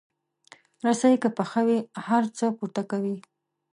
رسۍ که پخه وي، هر څه پورته کوي.